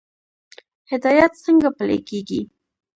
هدایت څنګه پلی کیږي؟